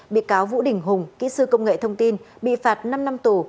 bị cáo vũ đình hùng kỹ sư công nghệ thông tin bị phạt năm năm tù